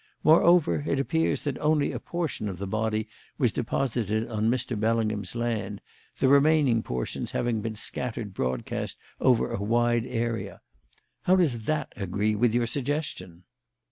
Moreover, it appears that only a portion of the body was deposited on Mr. Bellingham's land, the remaining portions having been scattered broadcast over a wide area. How does that agree with your suggestion?"